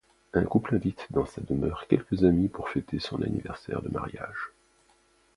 Un couple invite dans sa demeure quelques amis pour fêter son anniversaire de mariage.